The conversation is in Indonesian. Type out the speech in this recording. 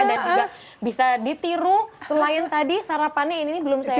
dan juga bisa ditiru selain tadi sarapannya ini belum saya coba